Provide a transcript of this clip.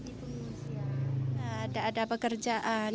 tidak ada pekerjaan